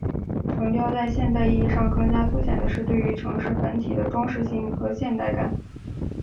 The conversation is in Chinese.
城雕在现代意义上更加凸显的是对于城市本体的装饰性和现代感。